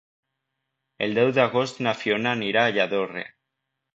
El deu d'agost na Fiona anirà a Lladorre.